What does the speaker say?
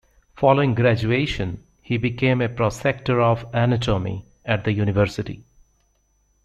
Following graduation, he became a prosector of anatomy at the university.